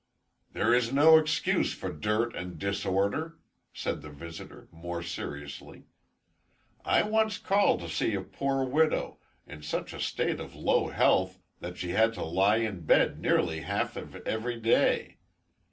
"There is no excuse for dirt and disorder," said the visitor, more seriously. "I once called to see a poor widow, in such a state of low health that she had to lie in bed nearly half of every day.